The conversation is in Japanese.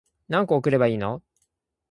何個送ればいいの